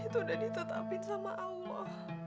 itu udah ditetapin sama allah